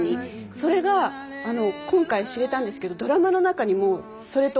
それが今回知れたんですけどドラマの中にもそれと同じようなね